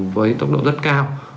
với tốc độ rất cao